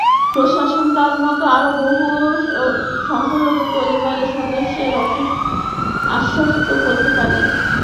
প্রশাসন তাঁর মতো আরও বহু সংখ্যালঘু পরিবারের সদস্যদের আশ্বস্ত করতে পারেনি।